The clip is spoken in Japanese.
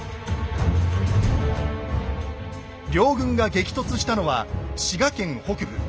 両軍が激突したのは滋賀県北部。